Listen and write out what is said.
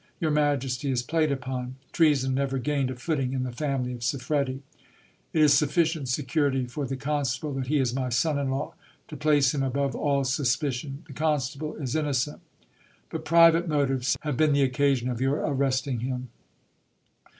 Your majesty is played upon. Treason never gained a footing in the family of Siffredi. It is sufficient security for the constable that he is my son in law, to place him above all suspicion. The constable is innocent : but private motives have been the occasion of your arresting him.